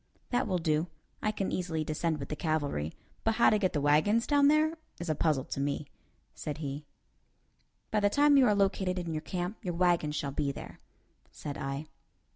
"That will do. I can easily descend with the cavalry, but how to get the wagons down there is a puzzler to me," said he. "By the time you are located in your camp, your wagons shall be there," said I.